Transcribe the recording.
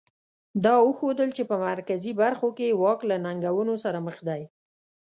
دا وښودل چې په مرکزي برخو کې یې واک له ننګونو سره مخ دی.